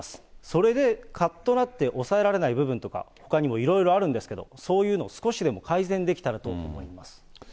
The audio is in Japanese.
それでかっとなって抑えられない部分とか、ほかにもいろいろあるんですけれども、そういうの少しでも改善できたらと思います。